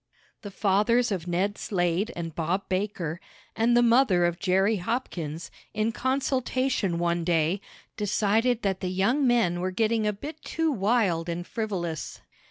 The fathers of Ned Slade and Bob Baker, and the mother of Jerry Hopkins, in consultation one day, decided that the young men were getting a bit too wild and frivolous.